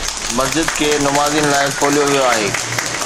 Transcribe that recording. مسجد کي نمازين لاءِ کوليو ويو آهي